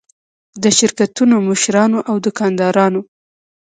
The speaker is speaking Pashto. د شرکتونو مشرانو او دوکاندارانو.